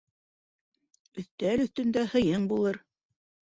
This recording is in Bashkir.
Өҫтәл өҫтөндә һыйың булыр.